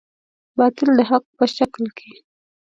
باطل د حق په شکل کې.